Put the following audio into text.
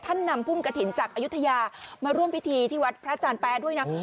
นำพุ่มกระถิ่นจากอายุทยามาร่วมพิธีที่วัดพระอาจารย์แป๊ด้วยนะ